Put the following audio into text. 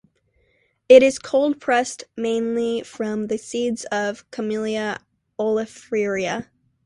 It is cold-pressed mainly from the seeds of "Camellia oleifera".